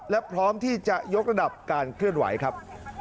และพร้อมที่จะยกระดับการเคลื่อนไหวครับ